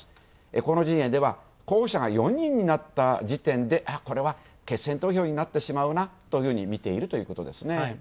河野陣営では候補者が４人になった時点でこれは決選投票になってしまうなというふうにみているということですね。